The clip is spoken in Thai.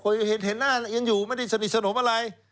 เห็นหน้ายังอยู่ไม่ได้สนิทสนมอะไร